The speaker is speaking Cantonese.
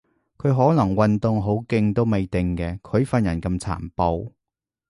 佢可能運動好勁都未定嘅，佢份人咁殘暴